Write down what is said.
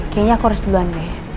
kayaknya aku harus duluan deh